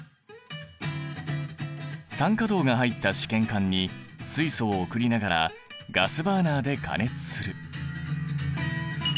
酸化銅が入った試験管に水素を送りながらガスバーナーで加熱する。